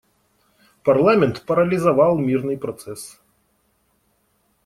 Парламент парализовал мирный процесс.